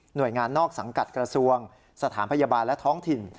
โดยงานนอกสังกัดกระทรวงสถานพยาบาลและท้องถิ่น